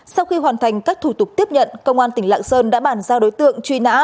sau khi hoàn thành các thủ tục tiếp nhận công an tỉnh lạng sơn đã bàn giao đối tượng truy nã